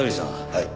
はい。